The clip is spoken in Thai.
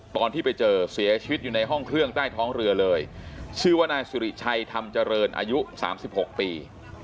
ตอนที่ไปเจอเสียชีวิตอยู่ในห้องเครื่องใต้ท้องเรือเลยชื่อว่านายสิริชัยธรรมเจริญอายุ๓๖ปี